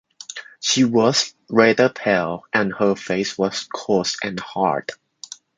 She was rather pale, and her face was closed and hard.